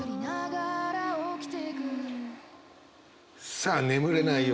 さあ眠れない夜。